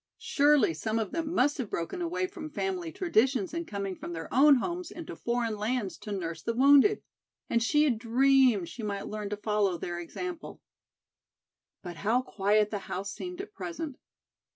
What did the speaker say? Surely some of them must have broken away from family traditions in coming from their own homes into foreign lands to nurse the wounded! And she had dreamed she might learn to follow their example. But how quiet the house seemed at present.